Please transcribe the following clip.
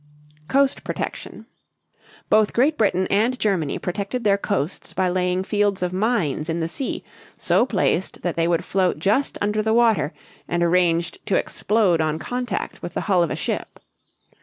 COAST PROTECTION. Both Great Britain and Germany protected their coasts by laying fields of mines in the sea so placed that they would float just under water and arranged to explode on contact with the hull of a ship.